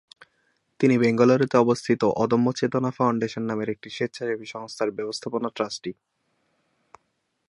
তিনি বেঙ্গালুরুতে অবস্থিত অদম্য চেতনা ফাউন্ডেশন নামের একটি স্বেচ্ছাসেবী সংস্থার ব্যবস্থাপনা ট্রাস্টি।